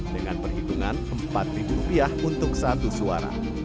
dengan perhitungan empat rupiah untuk satu suara